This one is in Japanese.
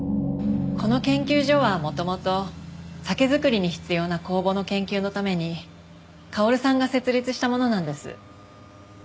この研究所は元々酒造りに必要な酵母の研究のために薫さんが設立したものなんです。